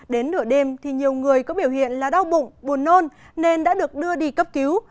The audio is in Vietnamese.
đến nửa đêm thì nhiều người có biểu hiện là đau bụng buồn nôn nên đã được đưa đi cấp cứu